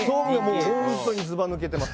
本当にずば抜けてます。